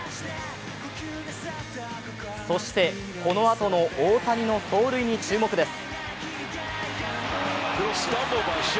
そしてこのあとの大谷の走塁に注目です。